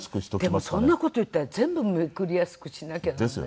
でもそんな事言ったら全部めくりやすくしなきゃなんない。